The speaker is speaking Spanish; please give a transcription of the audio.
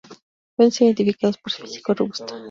Pueden ser identificados por su físico robusto.